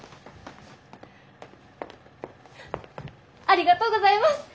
ありがとうございます！